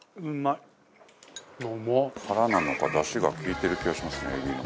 齊藤：殻なのか、ダシが利いてる気がしますね、エビの。